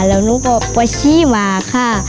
เราก็พระชีมาค่ะ